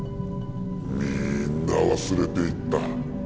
みんな忘れていった。